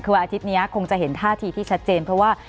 คือวันอาทิตย์นี้คงจะเห็นท่าทีที่ชัดเจนเพราะว่า